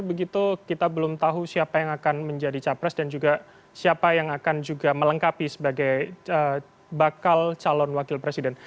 begitu kita belum tahu siapa yang akan menjadi capres dan juga siapa yang akan juga melengkapi sebagai bakal calon wakil presiden